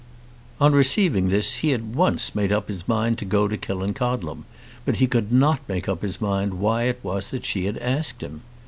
On receiving this he at once made up his mind to go to Killancodlem, but he could not make up his mind why it was that she had asked him.